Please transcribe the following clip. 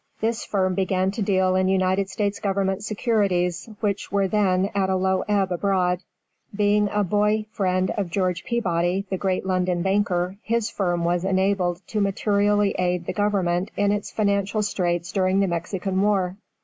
This firm began to deal in United States Government securities, which were then at a low ebb abroad. Being a boy friend of George Peabody, the great London banker, his firm was enabled to materially aid the Government in its financial straits during the Mexican war.